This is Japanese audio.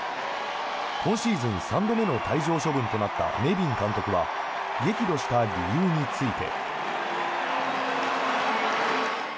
今シーズン３度目の退場処分となったネビン監督は激怒した理由について。